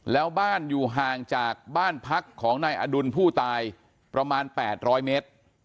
แล้วบ้านอยู่ห่างจากบ้านพักของนายอดุลผู้ตายประมาณ๘๐๐เมตร